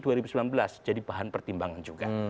dua ribu sembilan belas jadi bahan pertimbangan juga